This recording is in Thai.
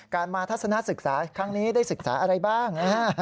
การมาทัศนศึกษาครั้งนี้ได้ศึกษาอะไรบ้าง